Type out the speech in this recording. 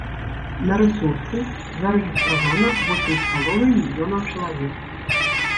На рэсурсе зарэгістравана восем з паловай мільёнаў чалавек.